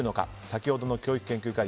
先ほどの教育研究家